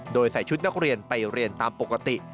โดยใส่ชุดนักเรียนไปเรียนตามปกติ